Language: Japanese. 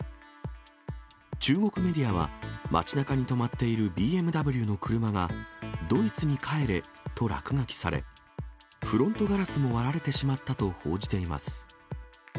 中国メディアは、街なかに止まっているＢＭＷの車が、ドイツに帰れと落書きされ、フロントガラスも割られてしまったと報じています。